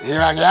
iya bang ya